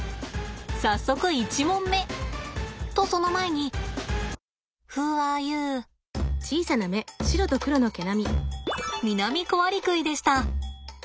早速１問目！とその前にミナミコアリクイでした。